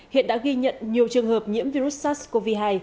hiện đã ghi nhận nhiều trường hợp nhiễm virus sars cov hai